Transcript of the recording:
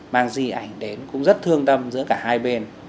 mang di ảnh đến cũng rất thương tâm giữa cả hai bên